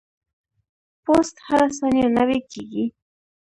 پوست هره ثانیه نوي کیږي.